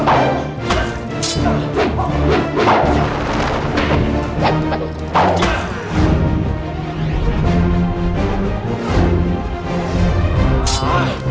aku akan membunuhmu